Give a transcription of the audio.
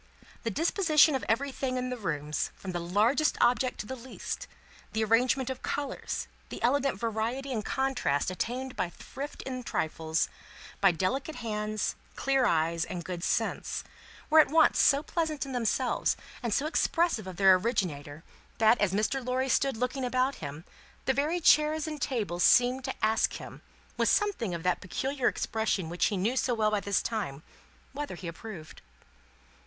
The disposition of everything in the rooms, from the largest object to the least; the arrangement of colours, the elegant variety and contrast obtained by thrift in trifles, by delicate hands, clear eyes, and good sense; were at once so pleasant in themselves, and so expressive of their originator, that, as Mr. Lorry stood looking about him, the very chairs and tables seemed to ask him, with something of that peculiar expression which he knew so well by this time, whether he approved?